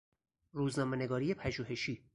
روزنامهنگاری پژوهشی